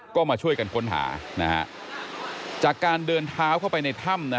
ก็มาช่วยกันค้นหานะฮะจากการเดินเท้าเข้าไปในถ้ำนะ